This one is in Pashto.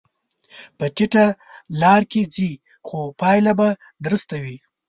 په ټیټه لار کې ځې، خو پایله به درسته وي.